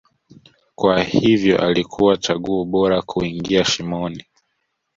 kwa hivyo alikuwa chaguo bora kuingia shimoni